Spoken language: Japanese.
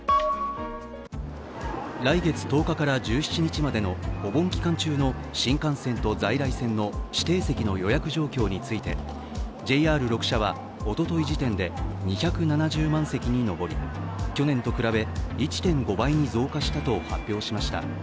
来月１０日から１７日までのお盆期間中の新幹線と在来線の指定席の予約状況についてＪＲ６社はおととい時点で２７０万席に上り去年と比べ１．５倍に増加したと発表しました。